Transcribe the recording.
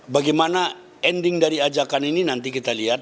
bagaimana ending dari ajakan ini nanti kita lihat